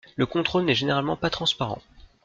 Le contrôle n’est généralement pas transparent.